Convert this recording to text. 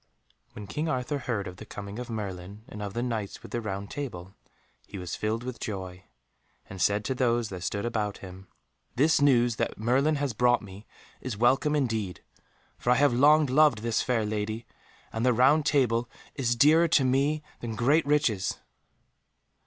When King Arthur heard of the coming of Merlin and of the Knights with the Round Table he was filled with joy, and said to those that stood about him, "This news that Merlin has brought me is welcome indeed, for I have long loved this fair lady, and the Round Table is dearer to me than great riches."